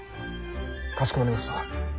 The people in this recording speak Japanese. かしこまりました。